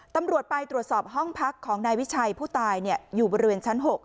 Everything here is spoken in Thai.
ตำรวจไปตรวจสอบห้องพักของนายวิชัยผู้ตายอยู่บริเวณชั้น๖